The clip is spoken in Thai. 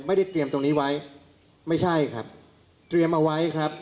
ไม่ได้เตรียมตรงนี้ไว้ไม่ใช่ครับเตรียมเอาไว้ครับ